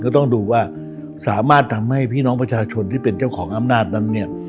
ต้องดูว่าสามารถทำให้พี่น้องประชาชนที่เป็นเจ้าของอำนาจนั้นเนี่ย